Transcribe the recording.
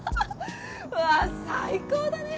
わっ最高だね